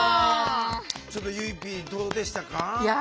ちょっとゆいＰどうでしたか？